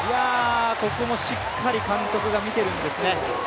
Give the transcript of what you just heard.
ここもしっかり監督が見ているんですね。